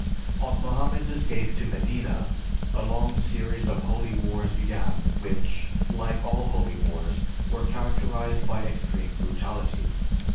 On Mohammed's escape to Medina, a long series of holy wars began which, like all holy wars, were characterized by extreme brutality.